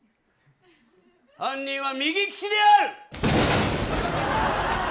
犯人は右利きである。